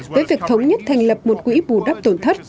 với việc thống nhất thành lập một quỹ bù đắp tổn thất